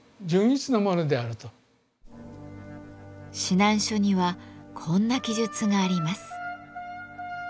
指南書にはこんな記述があります。